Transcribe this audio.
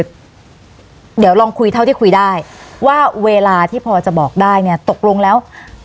เดี๋ยวลองคุยเท่าที่คุยได้ว่าเวลาที่พอจะบอกได้เนี่ยตกลงแล้ว